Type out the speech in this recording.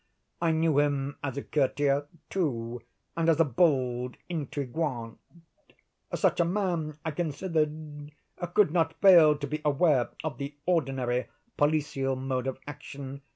I knew him as a courtier, too, and as a bold intriguant. Such a man, I considered, could not fail to be aware of the ordinary policial modes of action.